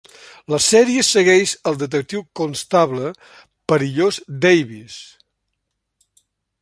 La sèrie segueix al detectiu Constable "Perillós" Davies.